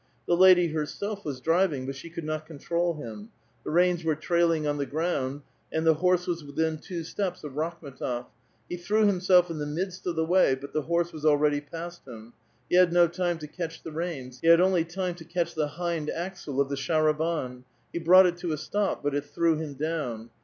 The lady, herself, was driving, but she could not control him ; the reins were trailing on the ground, and the horse was within two steps of Rakhmetof. He threw himself in the midst of the wav, but the horse was thready past him; he had no time to catch the reins ; he had only time to catch the hind axle of the sharahmi ; he brought it to a stop, but it threw him down.